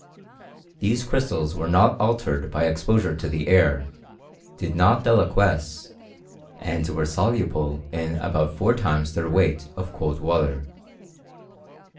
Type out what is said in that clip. These crystals were not altered by exposure to the air, did not deliquesce, and were soluble in about four. , times their weight of cold water.